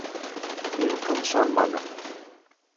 Мин ҡымшанманым.